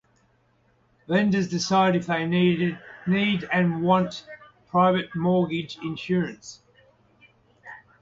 Lenders decide if they need and want private mortgage insurance.